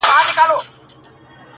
چي پر ما باندي یې سیوری کله لویږي؛